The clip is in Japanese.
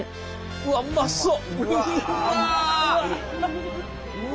うわっうまそう！